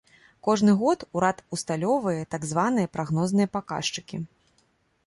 Кожны год урад усталёўвае так званыя прагнозныя паказчыкі.